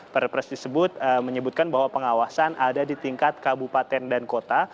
perpres disebut menyebutkan bahwa pengawasan ada di tingkat kabupaten dan kota